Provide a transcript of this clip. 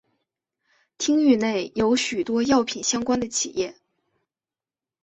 町域内有许多药品相关的企业。